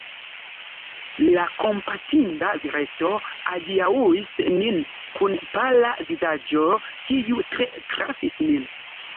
La kompatinda vireto adiaŭis nin kun pala vizaĝo, kiu tre trafis min.